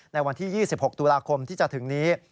ในวันที่๒๖ตุลาคมที่จะถึงนี้